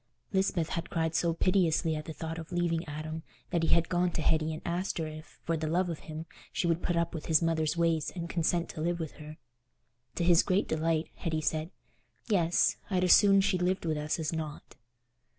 Lisbeth had cried so piteously at the thought of leaving Adam that he had gone to Hetty and asked her if, for the love of him, she would put up with his mother's ways and consent to live with her. To his great delight, Hetty said, "Yes; I'd as soon she lived with us as not."